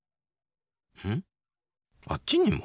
んっあっちにも？